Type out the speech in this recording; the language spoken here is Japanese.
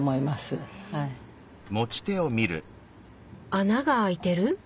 穴が開いてる？